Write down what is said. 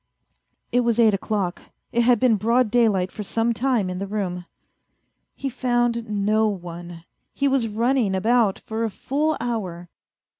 It was eight o'clock. It had been broad daylight for some time in the room. He found no one. He was running about for a full hour.